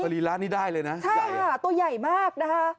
รีระนี่ได้เลยนะใช่ค่ะตัวใหญ่มากนะคะ